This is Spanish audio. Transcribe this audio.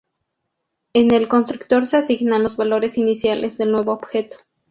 En el constructor se asignan los valores iniciales del nuevo objeto.